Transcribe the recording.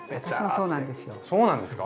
そうなんですか？